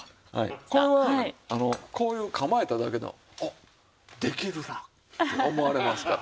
これはこういう構えただけでも「おっできるな！」とか思われますから。